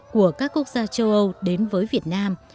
của các quốc gia châu âu đến với việt nam